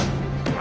あ！